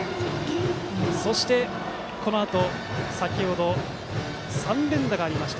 そして、このあと先程３連打がありました